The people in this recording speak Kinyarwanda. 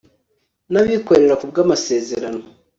n abikorera ku bw amasezerano